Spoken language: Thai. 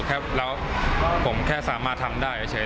ครับแล้วผมแค่สามารถทำได้เฉย